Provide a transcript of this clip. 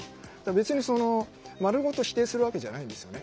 別に丸ごと否定するわけじゃないんですよね。